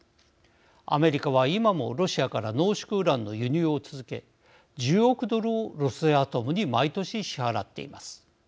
アメリカは今もロシアから濃縮ウランの輸入を続け１０億ドルをロスアトムに毎年支払っています。